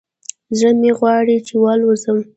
زړه مې غواړي چې والوزم